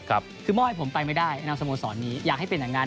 คือมอบให้ผมไปไม่ได้ในนามสโมสรนี้อยากให้เป็นอย่างนั้น